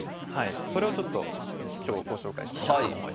それをちょっと今日ご紹介したいなと思います。